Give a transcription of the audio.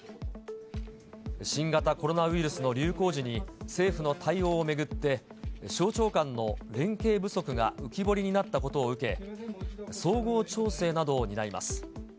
新型コロナウイルスの流行時に政府の対応を巡って、省庁間の連携不足が浮き彫りになったことを受け、総合調整などを担います。